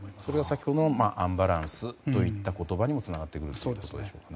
先ほどのアンバランスといった言葉につながってくるということですね。